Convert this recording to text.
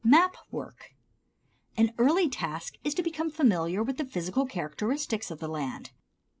Map Work. An early task is to become familiar with the physical characteristics of the land.